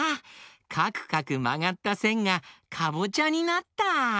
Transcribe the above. かくかくまがったせんがかぼちゃになった！